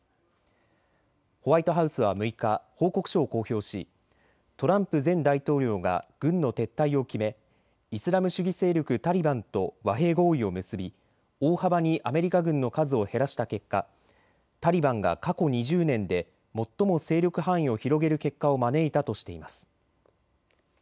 ホワイトハウスは６日、報告書を公表しトランプ前大統領が軍の撤退を決めイスラム主義勢力タリバンと和平合意を結び大幅にアメリカ軍の数を減らした結果、タリバンが過去２０年で最も勢力範囲を広げる結果を招いたとしています。